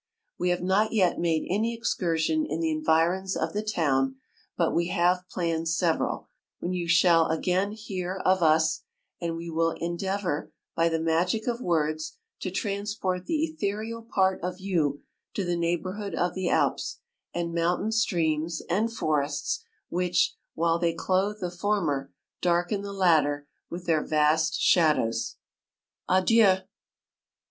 We have not yet made any excursion in the environs of the town, but we have planned several, when you shall again hear of us ; and we will endea vour, by the magic of words, to trans port the ethereal part of you to the neighbourhood of the Alps, and moun tain streams, and forests, which, while they clothe the former, darken the latter with their vast shadows. Adieu